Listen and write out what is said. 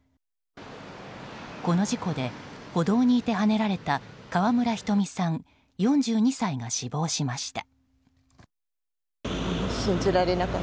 この事故で歩道にいてはねられた川村ひとみさん、４２歳が死亡しました。